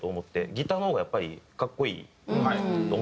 ギターの方がやっぱり格好いいと思ってて。